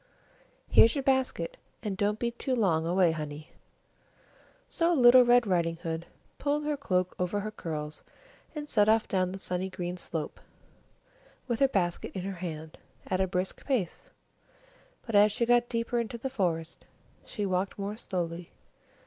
Here's your basket, and don't be too long away, honey." So little Red Riding Hood pulled her hood over her curls, and set off down the sunny green slope, with her basket in her hand, at a brisk pace. But as she got deeper into the forest, she walked more slowly.